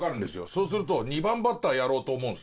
そうすると２番バッターやろうと思うんです。